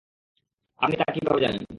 আপনি তা কীভাবে জানেন?